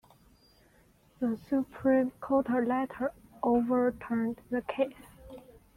The Supreme Court later overturned the case.